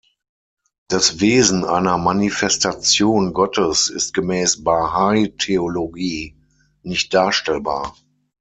Das Wesen einer Manifestation Gottes ist gemäß Bahai-Theologie nicht darstellbar.